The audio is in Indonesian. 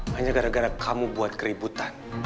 hanya gara gara kamu buat keributan